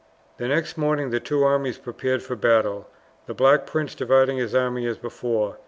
The next morning the two armies prepared for battle, the Black Prince dividing his army as before.